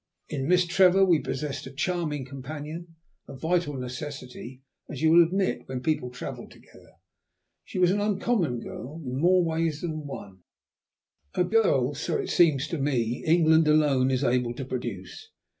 In Miss Trevor we possessed a charming companion, a vital necessity, as you will admit, when people travel together. She was an uncommon girl in more ways than one; a girl, so it seems to me, England alone is able to produce.